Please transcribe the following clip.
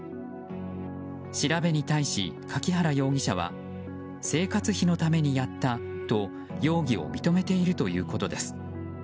調べに対し、柿原容疑者は生活費のためにやったと容疑を認めているということです。